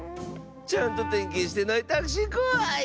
ちゃんとてんけんしてないタクシーこわいッス！